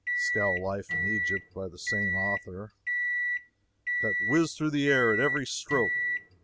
Scow Life in Egypt, by the same author.] that whizzed through the air at every stroke.